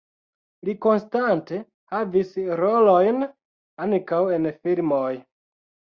Li konstante havis rolojn ankaŭ en filmoj.